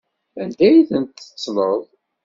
Anda ay tent-tettleḍ?